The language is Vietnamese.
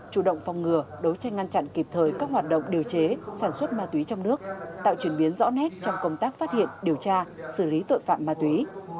chủ động phòng ngừa đấu tranh ngăn chặn kịp thời các hoạt động điều chế sản xuất ma túy trong nước tạo chuyển biến rõ nét trong công tác phát hiện điều tra xử lý tội phạm ma túy